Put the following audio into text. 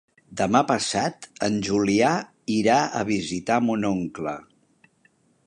Demà passat en Julià irà a visitar mon oncle.